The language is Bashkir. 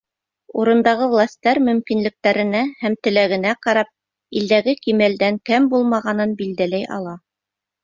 Урындағы властар мөмкинлектәренә һәм теләгенә ҡарап, илдәге кимәлдән кәм булмағанын билдәләй ала.